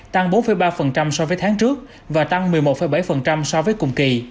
tăng bốn ba so với tháng trước và tăng một mươi một bảy so với cùng kỳ